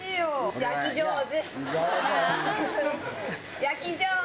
焼き上手！